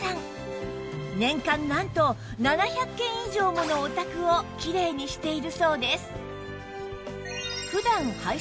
年間なんと７００軒以上ものお宅をきれいにしているそうです